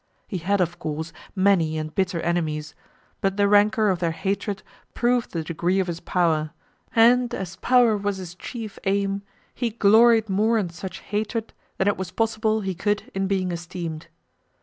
He had, of course, many and bitter enemies; but the rancour of their hatred proved the degree of his power; and, as power was his chief aim, he gloried more in such hatred, than it was possible he could in being esteemed.